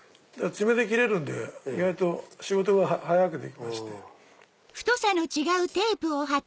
爪で切れるんで意外と仕事が早くできまして。